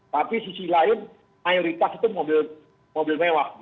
tapi sisi lain mayoritas itu mobil mewah